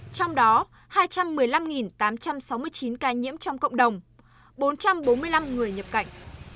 trong đó hai trăm một mươi năm tám trăm sáu mươi chín ca nhiễm trong cộng đồng bốn trăm bốn mươi năm người nhập cảnh